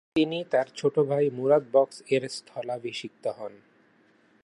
তিনি তার ছোট ভাই মুরাদ বক্স এর স্থলাভিষিক্ত হন।